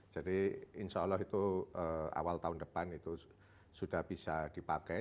jadi insya allah itu awal tahun depan itu sudah bisa dipakai